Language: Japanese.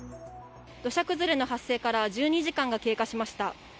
土砂崩れの発生から１２時間が経過しました。